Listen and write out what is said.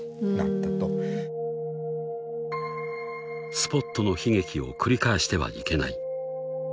［スポットの悲劇を繰り返してはいけない］